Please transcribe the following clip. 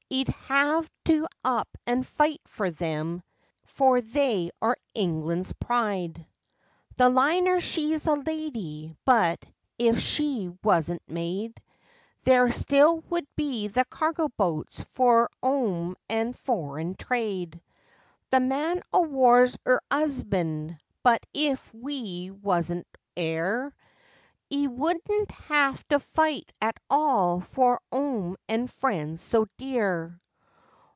'E'd 'ave to up an' fight for them, for they are England's pride. The Liner she's a lady, but if she wasn't made, There still would be the cargo boats for 'ome an' foreign trade. The Man o' War's 'er 'usband, but if we wasn't 'ere, 'E wouldn't have to fight at all for 'ome an' friends so dear.